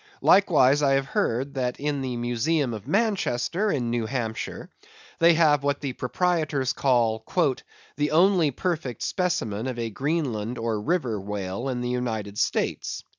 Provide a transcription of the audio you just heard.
Likewise, I have heard that in the museum of Manchester, in New Hampshire, they have what the proprietors call "the only perfect specimen of a Greenland or River Whale in the United States."